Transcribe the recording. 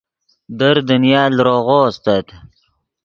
در دنیا لروغو استت